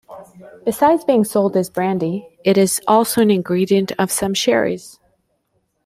Besides being sold as a brandy, it is also an ingredient of some sherries.